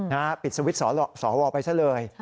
นะให้ปิดสวิตส์สวไปซะเลย